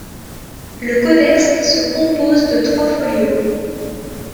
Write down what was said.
Le codex se compose de trois folios.